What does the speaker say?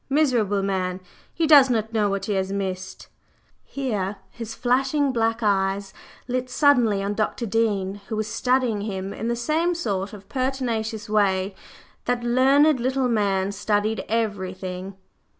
Miserable man! He does not know what he has missed!" Here his flashing black eyes lit suddenly on Dr. Dean, who was "studying" him in the same sort of pertinacious way in which that learned little man studied everything.